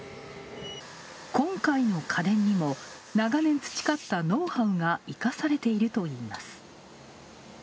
今回の家電にも、長年、培ったノウハウが生かされているといいます。